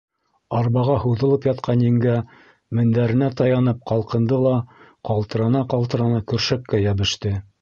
Арбаға һуҙылып ятҡан еңгә мендәренә таянып ҡалҡынды ла ҡал-тырана-ҡалтырана көршәккә йәбеште.